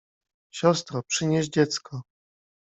— Siostro, przynieś dziecko…